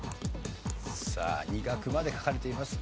さあ二画まで書かれています。